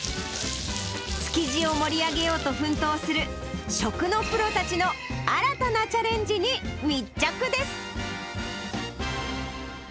築地を盛り上げようと奮闘する食のプロたちの新たなチャレンジに密着です。